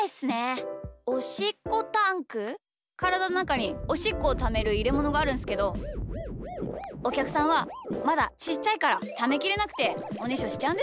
おしっこタンク？からだのなかにおしっこをためるいれものがあるんすけどおきゃくさんはまだちっちゃいからためきれなくておねしょしちゃうんですよね。